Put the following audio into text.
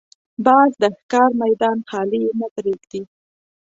باز د ښکار میدان خالي نه پرېږدي